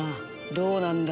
どうなんだ。